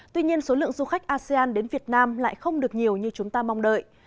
tuy nhiên số lượng du khách asean đến việt nam lại không được nhiều như chúng ta mong đợi